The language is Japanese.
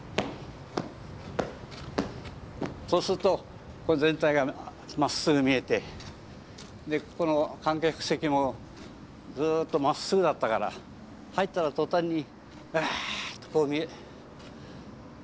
そうすると全体がまっすぐ見えてでここの観客席もずっとまっすぐだったから入ったら途端にバッとこう見える。